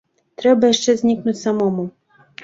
Трэба яшчэ знікнуць самому.